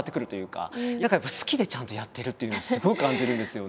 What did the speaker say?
何かやっぱり好きでちゃんとやってるっていうのをすごい感じるんですよね。